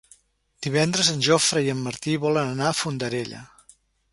Divendres en Jofre i en Martí volen anar a Fondarella.